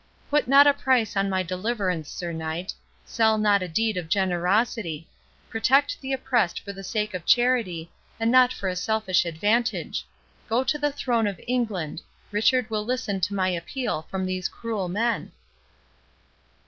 —Put not a price on my deliverance, Sir Knight—sell not a deed of generosity—protect the oppressed for the sake of charity, and not for a selfish advantage—Go to the throne of England; Richard will listen to my appeal from these cruel men."